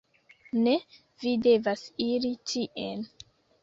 "Ne, vi devas iri tien."